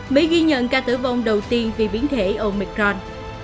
mỹ ghi nhận ca tử vong đầu tiên vì biến thể omicron